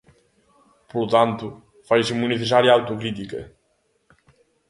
Polo tanto, faise moi necesaria a autocrítica.